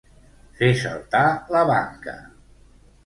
Fer saltar la banca.